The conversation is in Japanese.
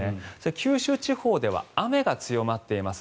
九州地方では雨が強まっています。